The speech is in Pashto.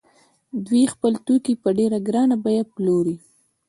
دوی خپل توکي په ډېره ګرانه بیه پلوري